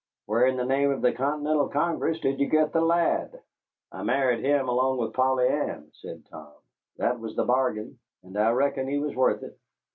Where in the name of the Continental Congress did you get the lad?" "I married him along with Polly Ann," said Tom. "That was the bargain, and I reckon he was worth it."